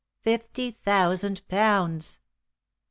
Fifty thousand pounds!